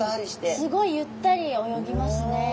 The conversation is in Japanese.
すごいゆったり泳ぎますね。